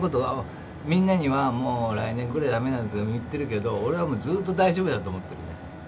みんなにはもう来年くらいにはダメだとか言ってるけど俺はもうずっと大丈夫だと思ってるね。